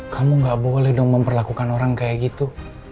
kamu gak boleh dong memperlakukan orang kayak gitu